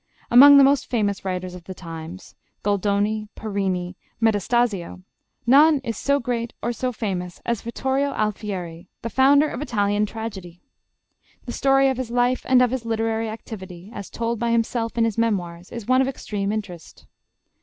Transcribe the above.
Among the most famous writers of the times Goldoni, Parini, Metastasio none is so great or so famous as Vittorio Alfieri, the founder of Italian tragedy. The story of his life and of his literary activity, as told by himself in his memoirs, is one of extreme interest.